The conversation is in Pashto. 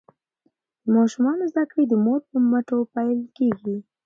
د ماشومانو زده کړې د مور په مټو پیل کیږي.